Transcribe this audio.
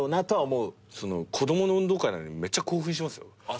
子供の運動会なんてめっちゃ興奮しますよ。